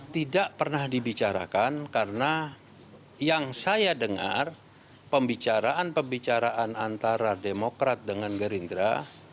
tidak pernah dibicarakan karena yang saya dengar pembicaraan pembicaraan antara demokrat dengan gerindra